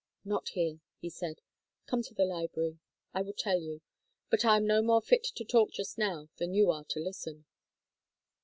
"Not here," he said. "Come to the library. I will tell you, but I am no more fit to talk just now than you are to listen."